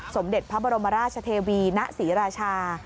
สมเด็จพระบรมราชเทวีณศรีราชา